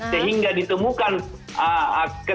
sehingga ditemukan kesepakatan kesepakatan yang berbeda